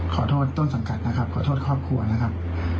ขอโทษต้นสังกัดนะครับขอโทษครอบครัวนะครับ